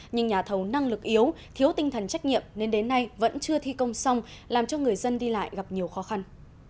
nhưng nhà thầu năng lực yếu thiếu tinh thần trách nhiệm nên đến nay vẫn chưa thi công xong làm cho người dân đi lại gặp nhiều khó khăn